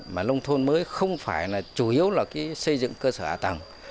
mà nông thôn mới không phải là chủ yếu là cái xây dựng cơ sở hạ tầng